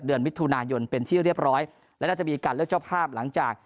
เดือนมิถุนายนเป็นที่เรียบร้อยและน่าจะมีการเลือกเจ้าภาพหลังจาก